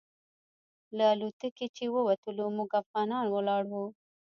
له الوتکې چې ووتلو موږ افغانان ولاړ وو.